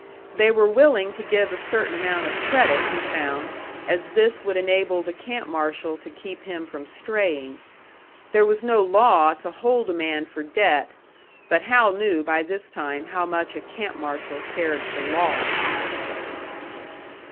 They were willing to give a certain amount of credit, he found, as this would enable the camp marshal to keep him from straying. There was no law to hold a man for debt but Hal knew by this time how much a camp marshal cared for law.